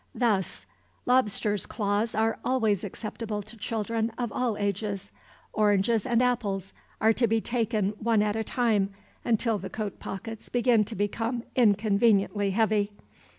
Thus: Lobsters' claws are always acceptable to children of all ages. Oranges and apples are to be taken one at a time, until the coat pockets begin to become inconveniently heavy.